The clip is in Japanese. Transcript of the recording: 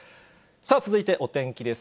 続いてお天気です。